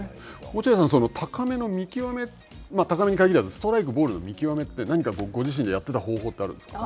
落合さん、その高めの見極め、高めに限らず、ストライク、ボールの見極めって、何かご自身でやってた方法ってあるんですか？